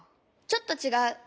ちょっとちがう。